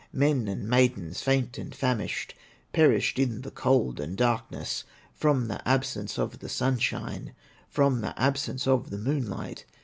Men and maidens, faint and famished, Perished in the cold and darkness, From the absence of the sunshine, From the absence of the moonlight.